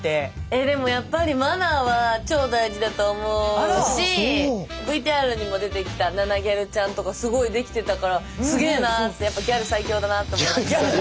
えでもやっぱりマナーは超大事だと思うしＶＴＲにも出てきたナナぎゃるちゃんとかすごいできてたからすげーなーってギャル最強。